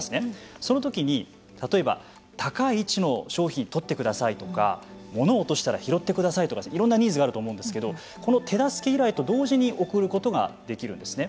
そのときに、例えば高い位置の商品を取ってくださいとか物を落としたら拾ってくださいとかいろんなニーズがあると思うんですけどこの手助け依頼と同時に送ることができるんですね。